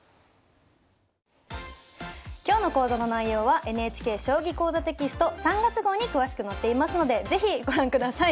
今日の講座の内容はＮＨＫ「将棋講座」テキスト３月号に詳しく載っていますので是非ご覧ください。